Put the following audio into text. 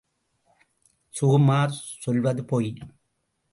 ககுமார் சொல்வது பொய்.